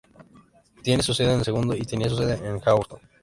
Tiene su sede en El Segundo, y tenía su sede en Hawthorne.